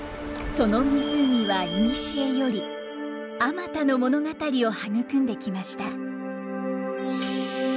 その湖はいにしえよりあまたの物語を育んできました。